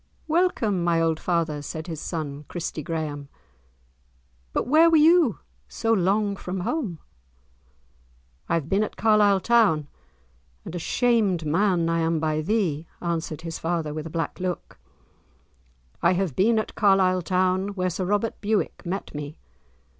"Welcome, my old father," said his son, Christie Graeme, "but where were ye so long from home?" "I have been at Carlisle town, and a shamed man I am by thee," answered his father with a black look; "I have been at Carlisle town, where Sir Robert Bewick met me.